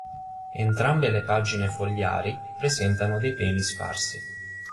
Entrambe le pagine fogliari presentano dei peli sparsi.